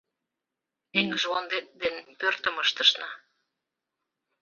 Эҥыжвондет ден пӧртым ыштышна